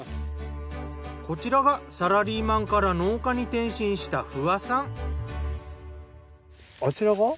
こちらがサラリーマンから農家に転身したあちらが？